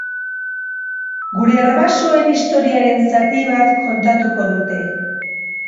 Gure arbasoen historiaren zati bat kontatuko dute.